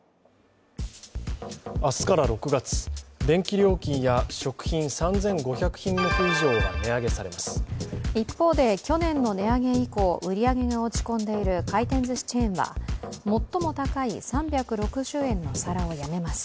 明日から６月、電気料金や食品３５００品目以上が一方で去年の値上げ以降、売り上げが落ち込んでいる回転ずしチェーンは最も高い３６０円の皿を辞めます。